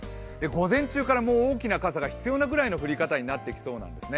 午前中からもう、大きな傘が必要なぐらいの降り方になってきそうです。